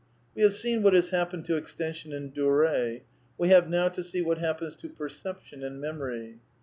'^ (Page 260.) We have seen what has happened to extension and duree. We have now to see what happens to perception and memory.